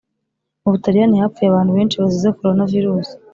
Mubutaliyani hapfuye abantu benshi bazize corona virusi